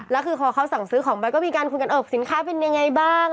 แล้วคือพอเขาสั่งซื้อของไปก็มีการคุยกันเออสินค้าเป็นยังไงบ้าง